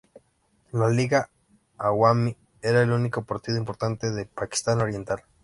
La Liga Awami era el único partido importante de Pakistán Oriental.